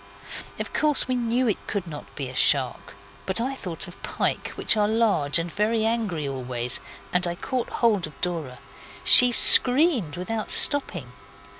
Of course we knew it could not be a shark, but I thought of pike, which are large and very angry always, and I caught hold of Dora. She screamed without stopping.